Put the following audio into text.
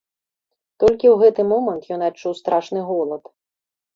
Толькі ў гэты момант ён адчуў страшны голад.